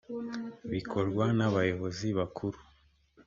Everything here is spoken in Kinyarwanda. bikorwa n abakozi bakuru